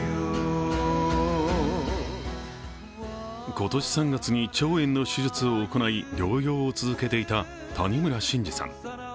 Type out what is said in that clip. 今年３月に腸炎の手術を行い、療養を続けていた谷村新司さん。